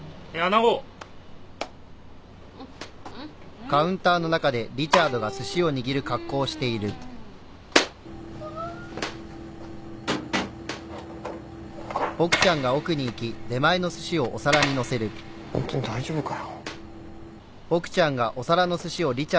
ホントに大丈夫かよ。